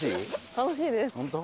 楽しいです！